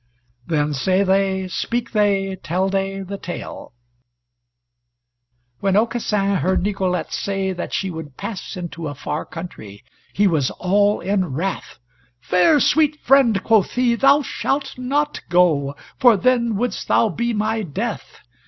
Then say they, speak they, tell they the Tale: When Aucassin heard Nicolete say that she would pass into a far country, he was all in wrath. "Fair sweet friend," quoth he, "thou shalt not go, for then wouldst thou be my death.